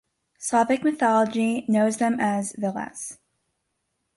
Slavic mythology knows them as vilas.